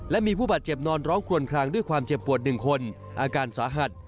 และมีผู้บาดเจ็บนอนร้องคลวนคลางด้วยความเจ็บปวด๑คนอาการสาหัส